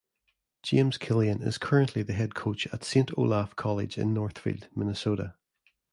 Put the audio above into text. James Kilian is currently the head coach at Saint Olaf College in Northfield, Minnesota.